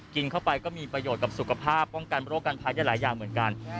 กินเข้าไปก็มีประโยชน์กับสุขภาพป้องกันโรคการภัยได้หลายอย่างเหมือนกัน